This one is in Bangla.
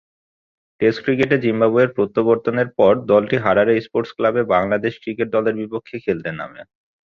টেস্ট ক্রিকেটে জিম্বাবুয়ের প্রত্যাবর্তনের পর দলটি হারারে স্পোর্টস ক্লাবে বাংলাদেশ ক্রিকেট দলের বিপক্ষে খেলতে নামে।